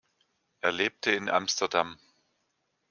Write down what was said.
Er lebte in Amsterdam.